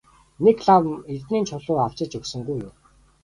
Нэг лам эрдэнийн чулуу авчирч өгсөнгүй юу?